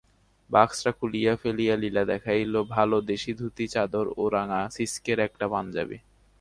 বাক্সটা খুলিয়া ফেলিয়া লীলা দেখাইল ভালো দেশী ধুতি চাদর ও রাঙা সিস্কের একটা পাঞ্জাবি।